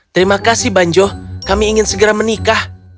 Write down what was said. terima kasih banjo kami ingin segera menikah